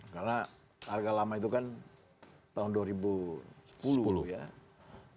karena harga lama itu kan tahun dua ribu sepuluh